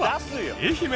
愛媛。